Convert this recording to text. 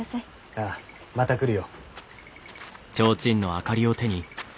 ああまた来るよ。